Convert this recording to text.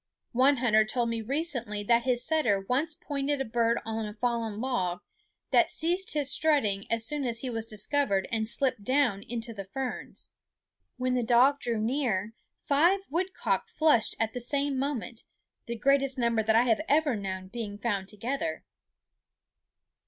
One hunter told me recently that his setter once pointed a bird on fallen log, that ceased his strutting as soon as he was discovered and slipped down into the ferns. When the dog drew nearer, five woodcock flushed at the same moment, the greatest number that I have ever known being found together.